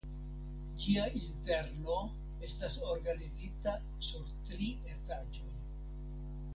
Ĝia interno estas organizita sur tri etaĝoj.